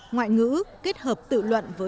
ngoại ngữ kết hợp tự luận